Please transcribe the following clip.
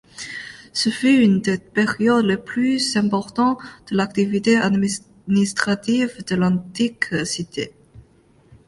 Ce fut une des périodes les plus importantes de l’activité administrative de l’antique cité.